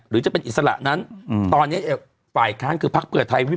หรือจะเป็นอิสระนั้นตอนนี้ฝ่ายค้านคือพักเพื่อไทย